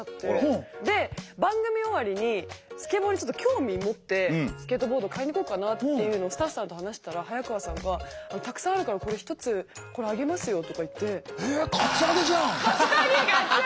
ほお。で番組終わりにスケボーにちょっと興味持ってスケートボード買いに行こうかなっていうのをスタッフさんと話してたら早川さんが「たくさんあるからこれ１つこれあげますよ」とか言って。